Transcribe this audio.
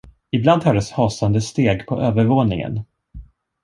Ibland hördes hasande steg på övervåningen.